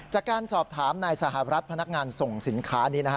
จากการสอบถามนายสหรัฐพนักงานส่งสินค้านี้นะฮะ